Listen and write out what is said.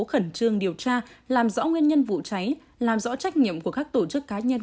khẩn trương điều tra làm rõ nguyên nhân vụ cháy làm rõ trách nhiệm của các tổ chức cá nhân